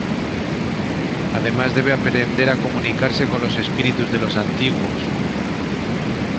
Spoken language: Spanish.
Además debe aprender a comunicarse con los Espíritus de Los Antiguos.